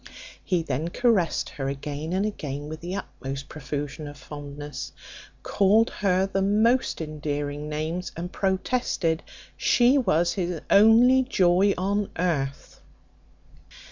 He then caressed her again and again with the utmost profusion of fondness, called her by the most endearing names, and protested she was his only joy on earth.